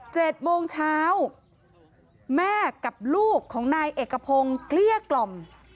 ๗โมงเช้าแม่กับลูกของนายเอกพงศ์เกลี้ยกล่อม